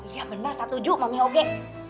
iya bener saya setuju mami oge